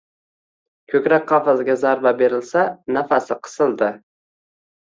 Koʻkrak qafasiga zarba berilsa nafasi qisildi